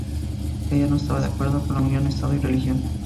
Ella no estaba de acuerdo con la unión estado y religión.